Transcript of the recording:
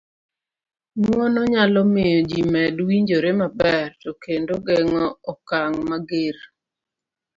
ng'uono nyalo miyo ji med winjore maber to kendo geng'o okang' mager